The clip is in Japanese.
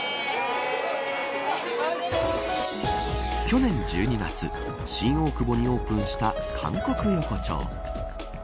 去年１２月新大久保にオープンした韓国横丁。